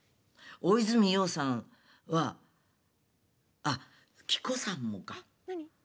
大泉洋さんはあっ希子さんもか」。えっ何⁉